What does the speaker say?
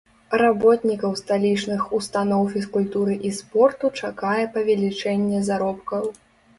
Работнікаў сталічных устаноў фізкультуры і спорту чакае павелічэнне заробкаў.